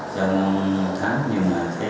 trong tháng nhưng mà